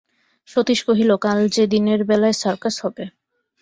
সতীশ কহিল, কাল যে দিনের বেলায় সার্কাস হবে।